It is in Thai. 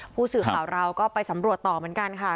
ผู้สื่อข่าวเราก็ไปสำรวจต่อเหมือนกันค่ะ